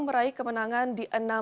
meraih kemenangan di enam